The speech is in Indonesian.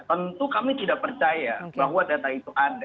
tentu kami tidak percaya bahwa data itu ada